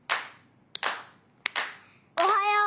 おはよう。